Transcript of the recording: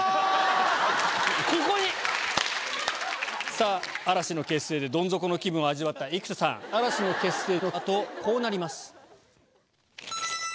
さぁ嵐の結成でどん底の気分を味わった生田さん嵐の結成の後こうなります。